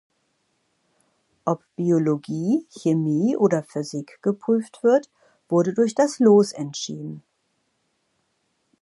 Ob Biologie, Chemie oder Physik geprüft wird, wurde durch das Los entschieden.